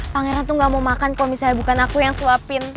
pangeran tuh gak mau makan kalau misalnya bukan aku yang suapin